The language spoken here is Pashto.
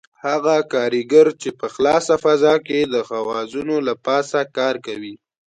هغه کاریګر چې په خلاصه فضا کې د خوازونو له پاسه کار کوي.